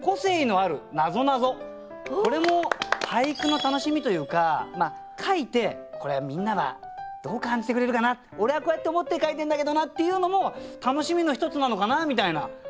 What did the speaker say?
これも俳句の楽しみというか書いてこれみんなはどう感じてくれるかな俺はこうやって思って書いてんだけどなっていうのも楽しみの一つなのかなみたいな。